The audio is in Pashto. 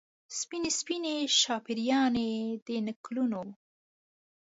سپینې، سپینې شاپیريانې د نکلونو